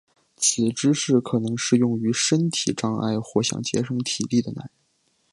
此姿势可能适用于身体障碍或想节省体力的男人。